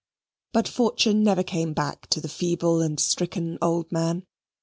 But Fortune never came back to the feeble and stricken old man.